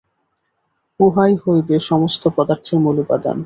উহাই হইবে সমস্ত পদার্থের মূল উপাদান।